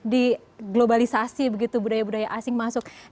di globalisasi begitu budaya budaya asing maupun asing